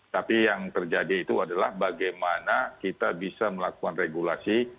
tapi yang terjadi itu adalah bagaimana kita bisa melakukan regulasi